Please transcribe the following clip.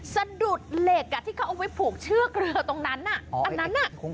สะดุดเหล็กที่เขาเอาไว้ผูกเชือกเรือตรงนั้นอันนั้นน่ะ